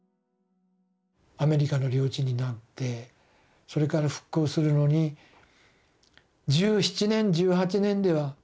アメリカの領地になってそれから復興するのに１７年１８年では。